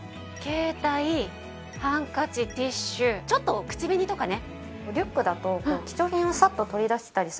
ちょっと口紅とかね。